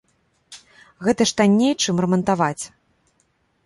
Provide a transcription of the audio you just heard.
Гэта ж танней, чым рамантаваць.